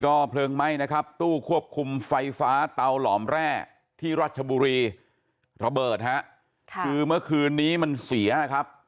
ก็เพลิงไหม้นะครับตู้ควบคุมไฟฟ้าเตาหลอมแร่ที่รัชบุรีระเบิดฮะคือเมื่อคืนนี้มันเสียครับ